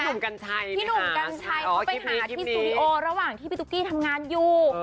พี่หนุ่มกัญชัยเขาไปหาที่สตูดิโอระหว่างที่พี่ตุ๊กกี้ทำงานอยู่